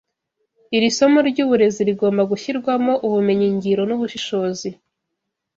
Iri somo ry’uburezi rigomba gushyirwamo ubumenyingiro n’ubushishozi.